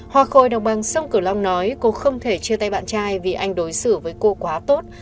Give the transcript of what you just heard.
hòa khôi đồng bằng sông cửu long nói cô không thể chia tay bạn trai vì anh đối xử với cô quá tốt